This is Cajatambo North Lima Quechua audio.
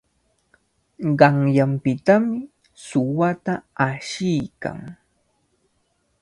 Qanyanpitami suwata ashiykan.